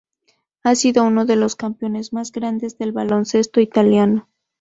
Ha sido uno de los campeones más grandes del baloncesto italiano.